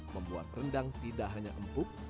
membuat rendang tidak hanya empuk